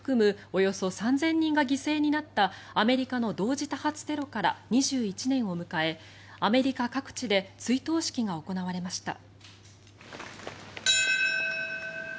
およそ３０００人が犠牲になったアメリカの同時多発テロから２１年を迎えアメリカ各地で追悼式が行われました。